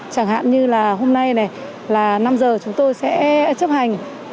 chẳng hạn như là hôm nay này là năm giờ chúng tôi sẽ chấp hành